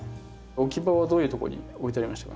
置き場はどういうとこに置いてありましたか？